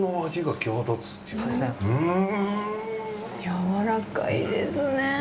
やわらかいですね。